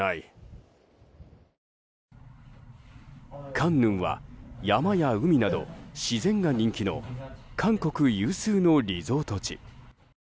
カンヌンは山や海など自然が人気の韓国有数のリゾート地。